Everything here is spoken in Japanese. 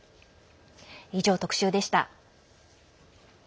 以上、特集でした。